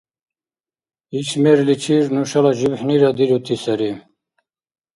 Иш мерличир нушала жибхӀнира дирути сари.